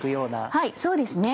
はいそうですね。